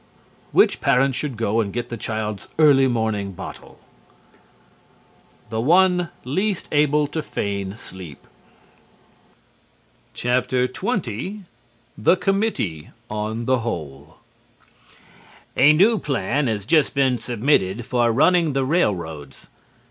Which parent should go and get the child's early morning bottle? The one least able to feign sleep. XX THE COMMITTEE ON THE WHOLE A new plan has just been submitted for running the railroads.